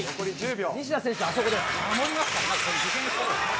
西田選手、あそこです。